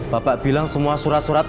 bapak bilang semua surat surat